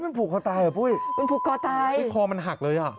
มันผูกก่อตายเหรอปุ๊ยค่ะพี่พอมันหักเลยอ่ะ